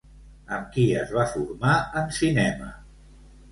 Amb qui es va formar en cinema?